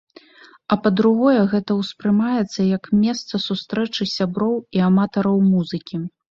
А па-другое, гэта ўспрымаецца як месца сустрэчы сяброў і аматараў музыкі.